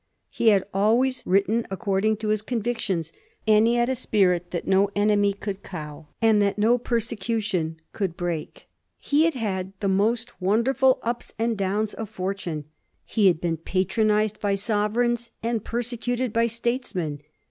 He had always written ac cording to his convictions, and he had a spirit that no enemy could cow, and that no persecution could break. He had had the most wonderful ups and downs of fortune. He had been patronized by sovereigns and persecuted by statesmen.